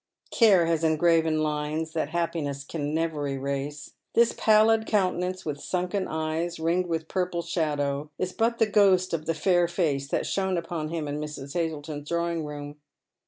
Care has engraven lines that happiness can never eraae. This pallid countenance, with sunken eyes, ringed with purple Bhadow, is but the ghost of the fair face that shone upon him in IVlrs. Hazleton's drawing room.